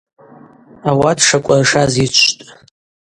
Ауат шакӏвыршаз йычвтӏ.